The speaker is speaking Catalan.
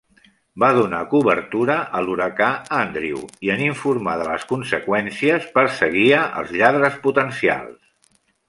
Va donar cobertura a l'huracà Andrew i en informar de les conseqüències perseguia els lladres potencials.